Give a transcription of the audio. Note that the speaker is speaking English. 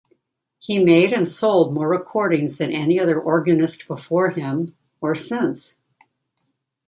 He made and sold more recordings than any other organist before him, or since.